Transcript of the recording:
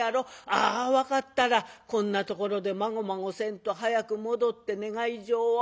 ああ分かったらこんなところでまごまごせんと早く戻って願い状を。